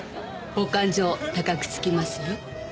お勘定高くつきますよ。